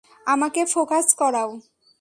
আমাকে ফোকাস করাও।